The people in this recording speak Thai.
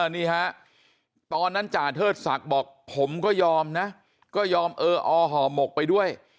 นี่ฮะตอนนั้นจ่าเทิดศักดิ์บอกผมก็ยอมนะก็ยอมเอออห่อหมกไปด้วย